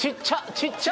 ちっちゃ！